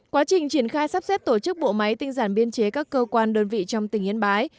quá trình triển khai sắp xếp tổ chức bộ máy tinh giản biên chế các cơ quan đơn vị trong tỉnh yên bái